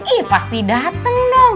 ii pasti dateng dong